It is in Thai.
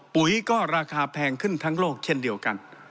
ปุ๋ยก็ราคาแพงขึ้นทั้งโลกเช่นเดียวกัน